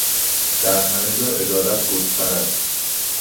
درهمه جا عدالت گسترد